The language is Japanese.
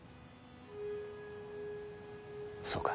そうか。